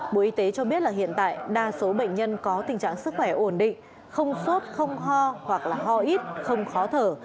bộ y tế cho biết là hiện tại đa số bệnh nhân có tình trạng sức khỏe ổn định không sốt không ho hoặc là ho ít không khó thở